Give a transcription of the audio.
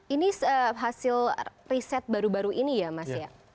ini hasil riset baru baru ini ya mas ya